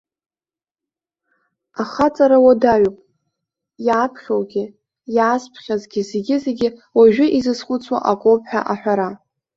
Ахаҵара уадаҩуп, иааԥхьоугьы, иаазԥхьазгьы зегьы-зегьы уажәы изызхәыцуа акоуп ҳәа аҳәара.